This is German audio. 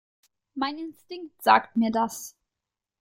Mein Instinkt sagt mir das.